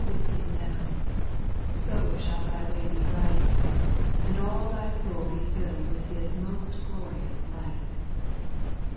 Walk with Him now, — so shall thy way b6 bright, And all thy soul be fiU'd with His most glori ous light.